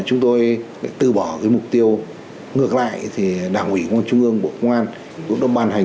chúng tôi tự bỏ với mục tiêu ngược lại thì đảng ủy công an trung ương của công an cũng đồng bàn hành